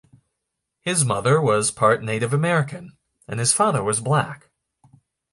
His mother was part Native American, and his father was black.